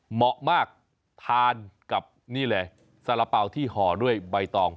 เหมาะมากทานกับนี่เลยสาระเป๋าที่ห่อด้วยใบตอง